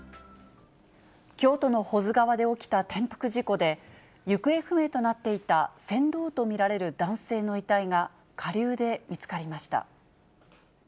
京都の保津川で起きた転覆事故で、行方不明となっていた船頭と見られる男性の遺体が下流で見つかりました。